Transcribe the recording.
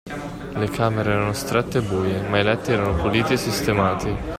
Le camere erano strette e buie, ma i letti erano puliti e sistemati.